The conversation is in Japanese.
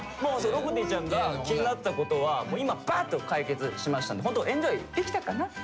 ろこてぃーちゃんが気になったことは今バーッと解決しましたんでホントエンジョイできたかな？